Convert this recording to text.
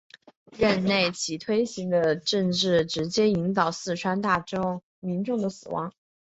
任内其推行的政策直接导致四川大量民众的死亡。